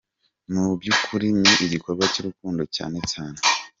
Mu by’ukuri ni igikorwa cy’urukundo cyane cyane.